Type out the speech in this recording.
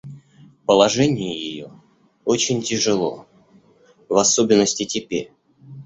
Положение ее очень тяжело, в особенности теперь.